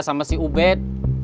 sama si ubed